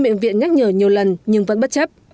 bệnh viện nhắc nhở nhiều lần nhưng vẫn bất chấp